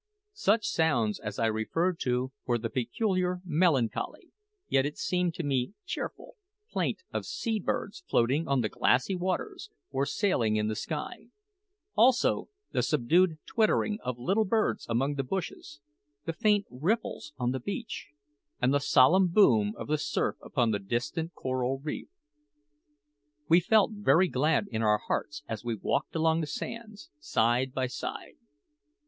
Such sounds as I refer to were the peculiar, melancholy yet, it seemed to me, cheerful plaint of sea birds floating on the glassy waters or sailing in the sky; also the subdued twittering of little birds among the bushes, the faint ripples on the beach, and the solemn boom of the surf upon the distant coral reef. We felt very glad in our hearts as we walked along the sands, side by side.